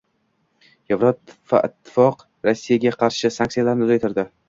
Yevroittifoq Rossiyaga qarshi sanksiyalarni uzaytirdi